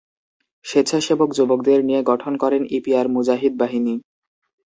স্বেচ্ছাসেবক যুবকদের নিয়ে গঠন করেন ইপিআর মুজাহিদ বাহিনী।